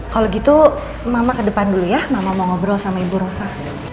kalau gitu mama ke depan dulu ya mama mau ngobrol sama ibu rosa